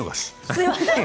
すみません。